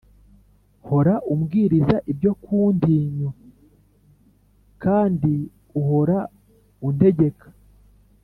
Hora umbwiriza ibyo kuntinyur kandi uhora untegeka